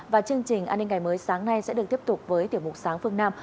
và chương trình an ninh ngày mới sáng nay sẽ được tiếp tục với tiểu mục sáng phương nam